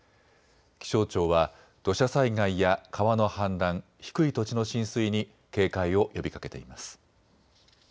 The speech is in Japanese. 気象庁は土砂災害や川の氾濫、低い土地の浸水に警戒を呼びかけています。